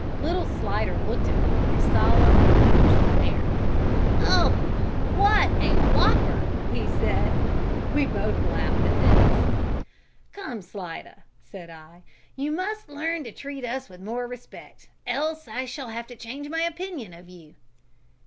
Little Slidder looked at me with a solemn, reproachful air. "Oh! what a wopper!" he said. We both laughed at this. "Come, Slidder," said I, "you must learn to treat us with more respect, else I shall have to change my opinion of you."